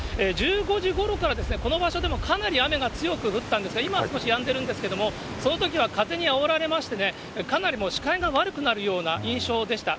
１４時ごろからこの場所でもかなり雨が強く降ったんですが、今は少しやんでるんですけども、そのときは風にあおられまして、かなりもう視界が悪くなるような印象でした。